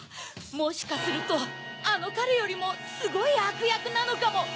もしかするとあのカレよりもすごいあくやくなのかも。